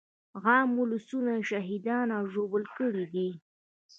عام ولسونه يې شهیدان او ژوبل کړي دي.